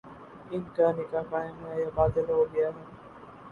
ان کا نکاح قائم ہے یا باطل ہو گیا ہے؟